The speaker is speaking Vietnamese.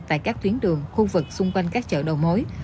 tại các tuyến đường khu vực xung quanh các chợ đầu mối